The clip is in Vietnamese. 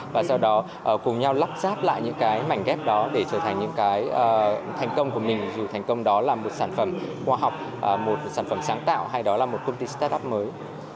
và sau đó cùng nhau lắp ráp lại những cái mảnh ghép đó để trở thành những cái thành công của mình dù thành công đó là một sản phẩm khoa học một sản phẩm sáng tạo hay đó là một công ty start up mới